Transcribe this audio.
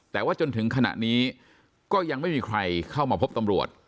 แต่ว่าจนถึงขณะนี้ก็ยังไม่มีใครเข้ามาพบตำรวจ